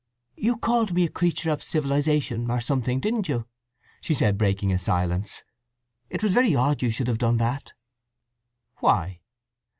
"You called me a creature of civilization, or something, didn't you?" she said, breaking a silence. "It was very odd you should have done that." "Why?"